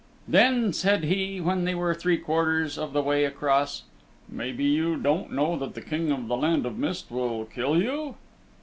Then said he when they were three quarters of the way across, "Maybe you don't know that the King of the Land of Mist will kill you?"